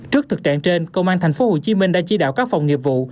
trước thực trạng trên công an tp hcm đã chỉ đạo các phòng nghiệp vụ